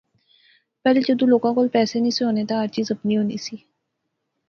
پہلیاں جذوں لوکاں کول پیسے نی سی ہونے تے ہر چیز آپنی ہونی سی